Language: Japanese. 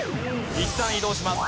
いったん移動します。